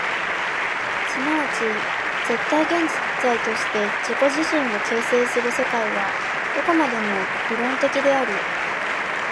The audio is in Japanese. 即ち絶対現在として自己自身を形成する世界は、どこまでも論理的である。